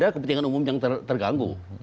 kepentingan umum yang terganggu